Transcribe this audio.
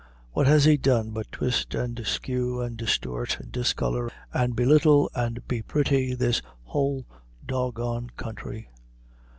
What has he done but twist and skew and distort and discolor and belittle and be pretty this whole dog gonned country?